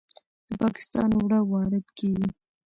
د پاکستان اوړه وارد کیږي.